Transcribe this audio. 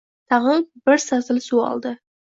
Tag‘in bir satil suv soldi.